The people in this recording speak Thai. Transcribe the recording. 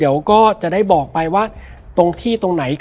แล้วสักครั้งหนึ่งเขารู้สึกอึดอัดที่หน้าอก